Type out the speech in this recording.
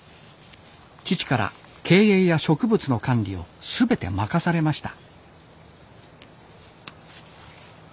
父から経営や植物の管理を全て任されました。